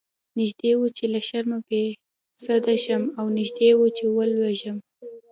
نږدې و چې له شرمه بې سده شم او نږدې و چې ولويږم.